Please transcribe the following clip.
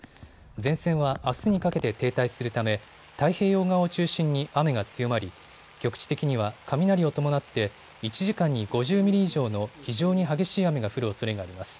前線はあすにかけて停滞するため太平洋側を中心に雨が強まり局地的には雷を伴って１時間に５０ミリ以上の非常に激しい雨が降るおそれがあります。